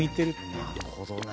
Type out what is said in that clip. なるほどね。